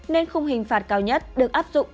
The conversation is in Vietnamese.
nên không hình phạt cao nhất được áp dụng